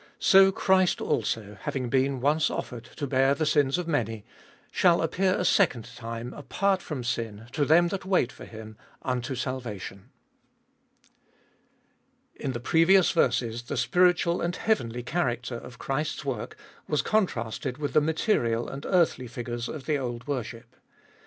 So Christ also, having been once offered to bear the sins of many, shall appear a second time, apart from sin, to them that wait for Mm, unto salvation. IN the previous verses the spiritual and heavenly character of Christ's work was contrasted with the material and earthly figures of the old worship.